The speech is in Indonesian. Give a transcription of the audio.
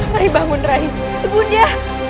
rai bangun rai ibu nia